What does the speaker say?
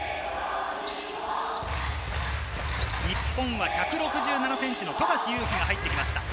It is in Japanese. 日本は１６７ｃｍの富樫勇樹が入ってきました。